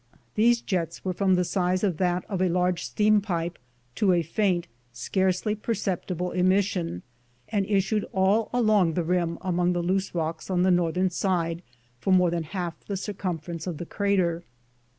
These jets were from the size oi that of a large steampipe to a faint, scarcely perceptible emission, and issued all along the rim among the loose rocks on the northern side for more than half the circumference of the crater.